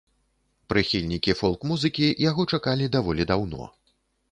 Прыхільнікі фолк-музыкі яго чакалі даволі даўно.